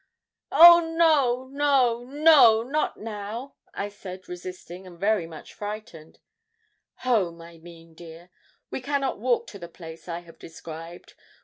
'Oh! no, no, no not now,' I said, resisting, and very much frightened. 'Home, I mean, dear. We cannot walk to the place I have described.